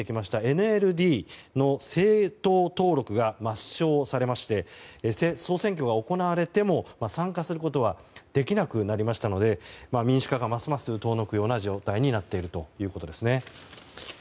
ＮＬＤの政党登録が抹消されまして総選挙が行われても参加することができなくなりましたので民主化がますます遠のく状態になっているということです。